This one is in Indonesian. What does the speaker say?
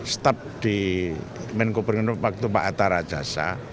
staf di menko perekonomian waktu pak atta rajasa